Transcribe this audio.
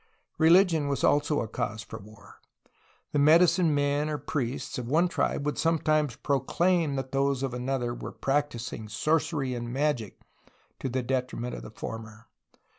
Religion was also a cause for war. The medicine men, or priests, of one tribe would sometimes proclaim that those of another were practicing sorcery and magic, to the detriment of the former.